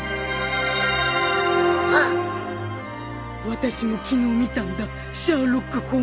私も昨日見たんだシャーロック・ホームズ。